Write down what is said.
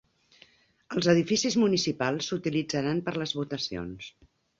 Els edificis municipals s'utilitzaran per a les votacions.